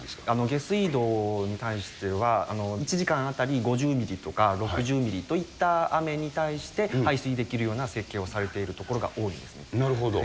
下水道に関しては、１時間当たり５０ミリとか、６０ミリといった雨に対して排水できるような設定をされている所なるほど。